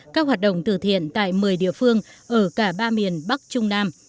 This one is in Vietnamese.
các hoạt động từ thiện tại một mươi địa phương ở cả ba miền bắc trung nam